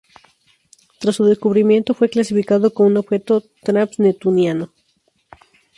Tras su descubrimiento, fue clasificado como un objeto transneptuniano.